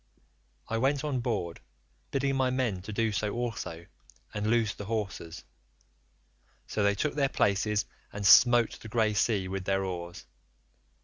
"I went on board, bidding my men to do so also and loose the hawsers; so they took their places and smote the grey sea with their oars.